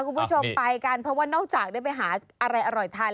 คุณผู้ชมไปกันเพราะว่านอกจากได้ไปหาอะไรอร่อยทาน